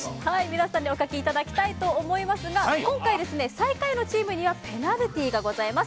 皆さんにお書きいただきたいと思いますが、今回、最下位のチームにはペナルティーがございます。